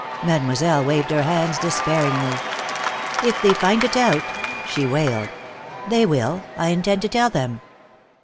Mademoiselle waved her hands despairingly. "If they find it out!" she wailed. "They will. I intend to tell them."